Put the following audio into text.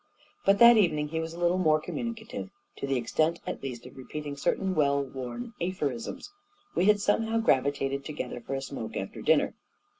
But that evening, he was a little more communicative — to the extent, at least, of repeating certain well worn aphorisms. We had somehow gravitated together for a smoke after dinner.